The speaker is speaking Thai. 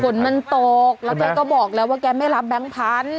ฝนมันตกแล้วแกก็บอกแล้วว่าแกไม่รับแบงค์พันธุ